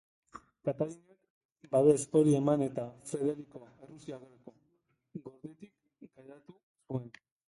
Katalinak babes hori eman eta Frederiko Errusiako gortetik kaleratu zuen.